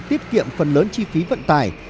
tiết kiệm phần lớn chi phí vận tải